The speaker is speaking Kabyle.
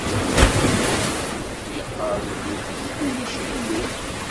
Ajehli yeqqar deg wul-is: Ulac Illu!